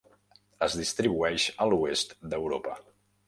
Es distribueix a l'oest d'Europa.